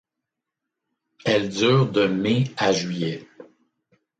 Elle dure de mai à juillet.